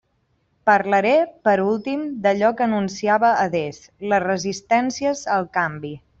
Parlaré, per últim, d'allò que anunciava adés: les resistències al canvi.